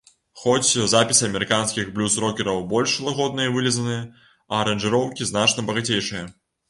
Хоць запісы амерыканскіх блюз-рокераў больш лагодныя і вылізаныя, а аранжыроўкі значна багацейшыя.